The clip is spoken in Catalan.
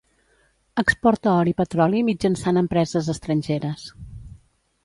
Exporta or i petroli mitjançant empreses estrangeres.